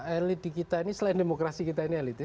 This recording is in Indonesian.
elit di kita ini selain demokrasi kita ini elitis